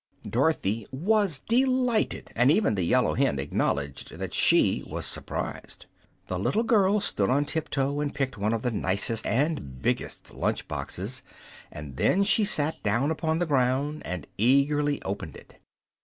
Dorothy was delighted, and even the yellow hen acknowledged that she was surprised. The little girl stood on tip toe and picked one of the nicest and biggest lunch boxes, and then she sat down upon the ground and eagerly opened it.